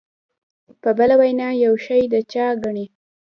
په بله وینا یو شی د چا ګڼي.